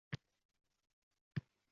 Men talaffuzingizni to' liq anglamayapman.